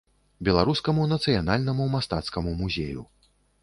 Беларускаму нацыянальнаму мастацкаму музею.